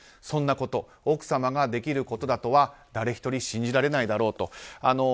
そんなこと奥様ができることだとは誰一人、信じられないだろうと。